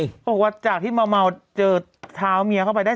เขาบอกว่าจากที่เมาเจอเท้าเมียเข้าไปได้